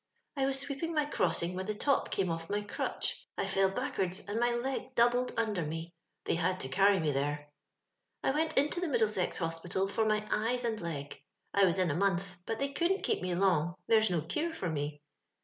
I was sweeping my crossin* when the top came off my crutch. I fell back'ards, and my leg doubled under me. They had to cany me there. ,*' I went into the Middlesex Hospital for my eyes and leg. I was in a month, but they wouldn't keep me long, there's no cure for me.